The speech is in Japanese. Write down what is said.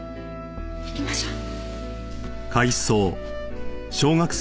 行きましょう。